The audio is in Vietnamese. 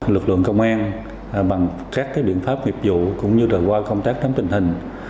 lực lượng công an bằng các biện pháp nghiệp vụ cũng như qua công tác nắm tình hình